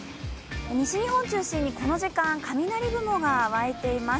西日本中心に、この時間雷雲がわいています。